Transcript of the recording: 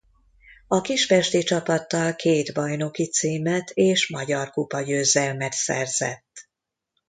A kispesti csapattal két bajnoki címet és magyar kupa-győzelmet szerzett.